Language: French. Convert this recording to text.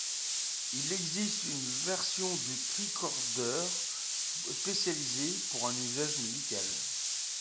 Il existe une version du tricordeur spécialisée pour l'usage médical.